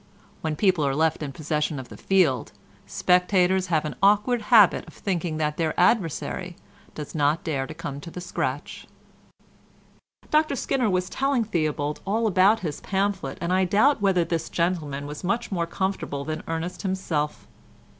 When people are left in possession of the field, spectators have an awkward habit of thinking that their adversary does not dare to come to the scratch. Dr Skinner was telling Theobald all about his pamphlet, and I doubt whether this gentleman was much more comfortable than Ernest himself.